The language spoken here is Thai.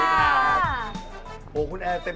วันนี้เราไม่ได้มาแค่นี้นะครับ